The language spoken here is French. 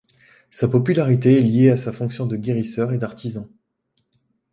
Sa popularité est liée à sa fonction de guérisseur et d’artisan.